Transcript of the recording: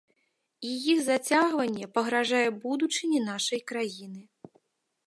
І іх зацягванне пагражае будучыні нашай краіны.